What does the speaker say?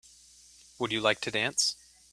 Would you like to dance?